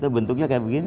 bentuknya kayak begini